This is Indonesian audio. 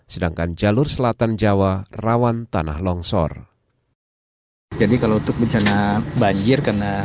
sedangkan jalur selatan jawa rawan tanah longsor